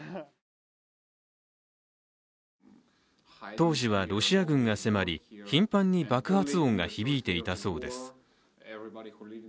当時は、ロシア軍が迫り頻繁に爆発音が響いていたそうです。